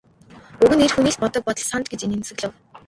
Уг нь эр хүний л боддог бодол санж гээд инээмсэглэв.